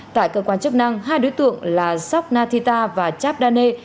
tại cơ quan chức năng hai đối tượng là sok nathita và chabdane